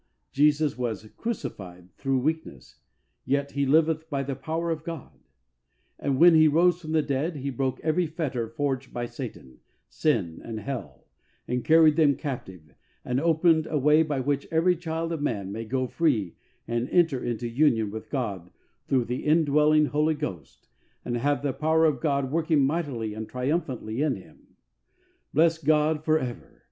Jesus " was crucified through weakness, yet He liveth by the power of God/' and when He rose from the dead He broke every fetter forged by Satan, sin and hell, and carried them captive, and opened a way by which every child of man may go free and enter into union with God through the in dwelling Holy Ghost, and have the power of God working mightily and triumphantly in him. Bless God for ever